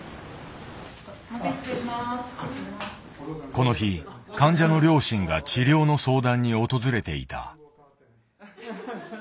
この日患者の両親が治療の相談に訪れていた。